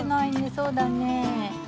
そうだねえ。